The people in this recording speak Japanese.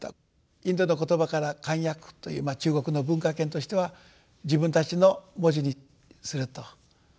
インドの言葉から漢訳という中国の文化圏としては自分たちの文字にすると。